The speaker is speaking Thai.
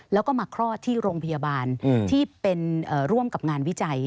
แล้วก็มาคลอดที่โรงพยาบาลที่เป็นร่วมกับงานวิจัย